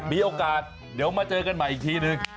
มีโอกาสเดี๋ยวมาเจอกันใหม่อีกทีนึง